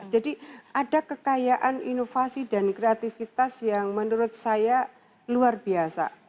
jadi ada kekayaan inovasi dan kreativitas yang menurut saya luar biasa